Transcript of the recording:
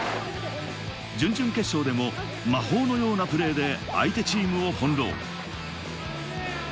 準々決勝でも魔法のようなプレーで相手チームを翻弄。